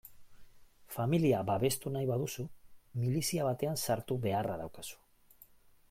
Familia babestu nahi baduzu, milizia batean sartu beharra daukazu.